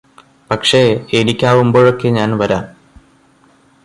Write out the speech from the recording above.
പക്ഷേ എനിക്കാവുമ്പോഴൊക്കെ ഞാന് വരാം